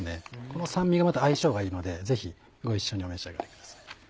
この酸味がまた相性がいいのでぜひご一緒にお召し上がりください。